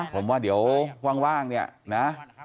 ต่อเจอกว่างนะ